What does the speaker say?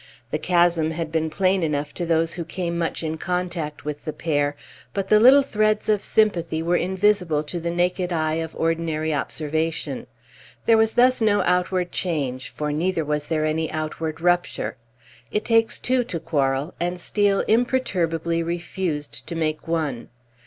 The chasm had been plain enough to those who came much in contact with the pair, but the little threads of sympathy were invisible to the naked eye of ordinary observation. There was thus no outward change, for neither was there any outward rupture. It takes two to quarrel, and Steel imperturbably refused to make one.